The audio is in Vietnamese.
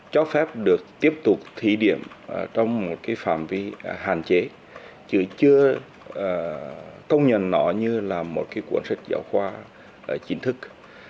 cho phép được tiếp tục thí điểm trong một cái phạm vi hạn chế chứ chưa công nhận nó như là một cái cuốn sách giáo khoa chính thức